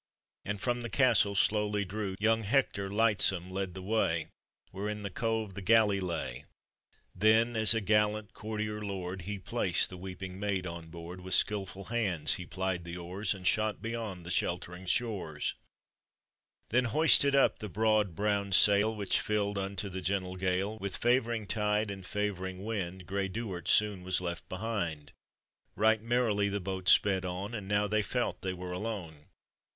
And from the castle slowly drew. Young Hector lightsome led the way, Where in the cove the galley lay Then as a gallant courtier lord He placed the woeping maid on board. With skillful hands he plied tho oars, And shot beyond the sheltering shores; Then hoisted up the broad, brown fail, Which filled unto the gentle gale, With favoring tide and favoring wind, Grey Duard soon was left behind. Kight merrily the boat sped on, And now they felt they were alone.